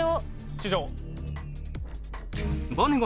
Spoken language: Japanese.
地上。